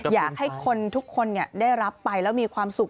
อยากให้คนทุกคนได้รับไปแล้วมีความสุข